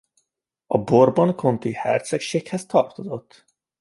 A Bourbon-Conti hercegséghez tartozott.